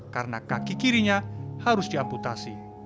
karena kaki kirinya harus diamputasi